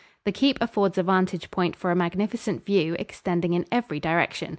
The keep affords a vantage point for a magnificent view, extending in every direction.